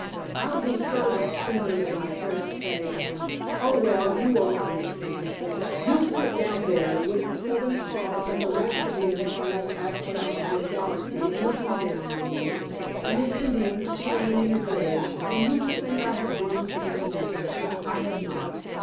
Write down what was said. I'll be thirty sooner than I care to say, and oh, well, you won't understand. You'll sit down there, with the Southern Cross and the rest of the infernal astronomical galaxy looking down on you, and the Indians chanting in the village, and you will think I have grown sentimental. I have not.